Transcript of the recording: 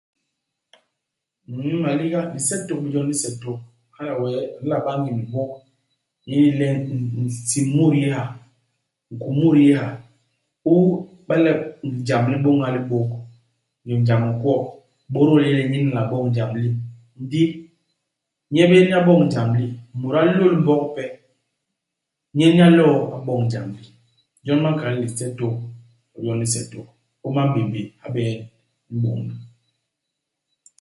Nn maliga lisetôk bé jon li nse tôk. Hala wee u nla ba i ngim mbok li yé le nn nsim u mut u yé ha ; nkum u mut u yé ha, u iba le jam li m'bôña i libôk, ngim jam i nkwo, bôdôl i yé le nyen a nla boñ ijam li. Ndi nye bé nyen nye a boñ ijam li. Mut a lôl mbok pe, nyen nye a lo'o a boñ ijam li. Jon ba nkal le lisetôk bé jon li nse tôk. Ihoma u m'bémbél, ha bé nyen i m'bôñ-na.